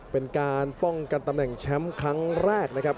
เป็นการป้องกันตำแหน่งแชมป์ครั้งแรกนะครับ